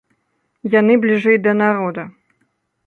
Яны бліжэй да народа.